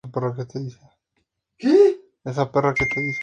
Debido a la controversia generada, en muchas radios el baile funk ha sido vetado.